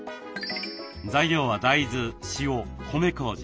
材料は大豆塩米こうじ。